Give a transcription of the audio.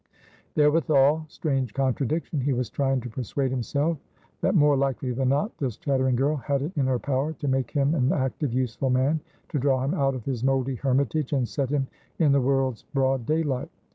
Therewithalstrange contradictionhe was trying to persuade himself that, more likely than not, this chattering girl had it in her power to make him an active, useful man, to draw him out of his mouldy hermitage and set him in the world's broad daylight.